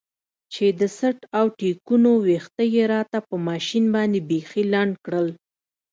چې د څټ او ټېکونو ويښته يې راته په ماشين باندې بيخي لنډ کړل.